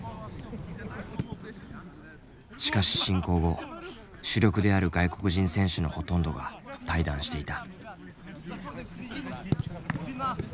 しかし侵攻後主力である外国人選手のほとんどが退団していた。